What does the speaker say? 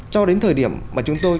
cho đến thời điểm mà chúng tôi